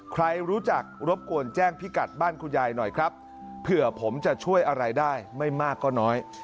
ใครรู้จักรบกวนแจ้งพิกัดบ้านคุณยายหน่อยครับเผื่อผมจะช่วยอะไรได้ไม่มากก็น้อย